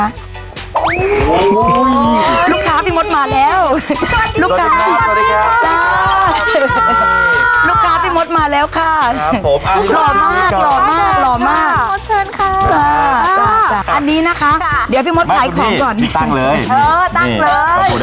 อันนี้นะคะเดี๋ยวพี่มดไปของก่อน